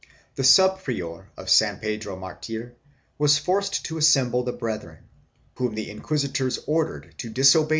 The sub prior of San Pedro Martir was forced to assem ble the brethren, whom the inquisitors ordered to disobey the CHAP.